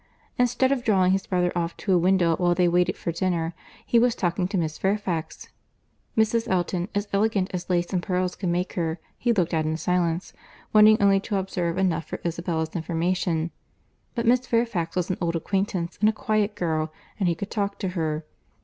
Instead of drawing his brother off to a window while they waited for dinner, he was talking to Miss Fairfax. Mrs. Elton, as elegant as lace and pearls could make her, he looked at in silence—wanting only to observe enough for Isabella's information—but Miss Fairfax was an old acquaintance and a quiet girl, and he could talk to her.